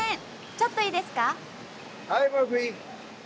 ちょっといいですか？